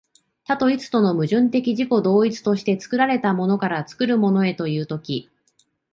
多と一との矛盾的自己同一として、作られたものから作るものへという時、